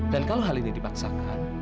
dan kalau hal ini dibaksakan